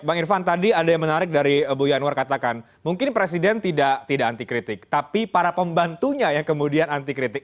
bang irfan tadi ada yang menarik dari bu yanwar katakan mungkin presiden tidak anti kritik tapi para pembantunya yang kemudian anti kritik